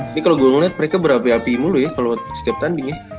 ini kalau gue ngeliat mereka berapi api mulu ya kalau setiap tanding ya